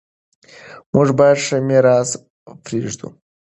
موږ باید ښه میراث پریږدو.